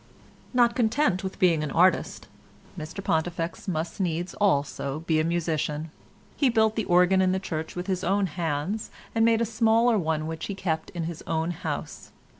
Not content with being an artist, Mr Pontifex must needs also be a musician. He built the organ in the church with his own hands, and made a smaller one which he kept in his own house.